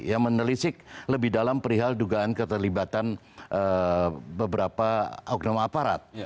yang menelisik lebih dalam perihal dugaan keterlibatan beberapa oknum aparat